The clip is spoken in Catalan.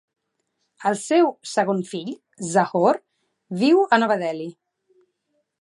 El seu segon fill, Zahoor, viu a Nova Delhi.